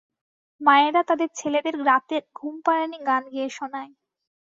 মায়েরা তাদের ছেলেদের রাতে ঘুমপাড়ানি গান গেয়ে শোনায়।